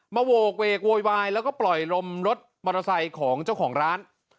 โหกเวกโวยวายแล้วก็ปล่อยลมรถมอเตอร์ไซค์ของเจ้าของร้าน